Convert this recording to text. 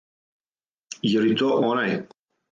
Је ли то онај?